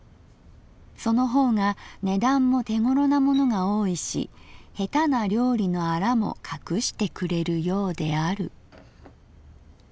その方が値段も手ごろなものが多いし下手な料理のアラもかくしてくれるようである」。